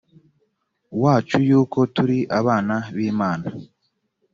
wacu yuko turi abana b imana